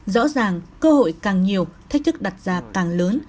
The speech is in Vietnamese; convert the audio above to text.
rõ ràng cơ hội càng nhiều thách thức đặt ra càng lớn